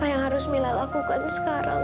apa yang harus mila lakukan sekarang